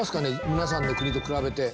皆さんの国と比べて。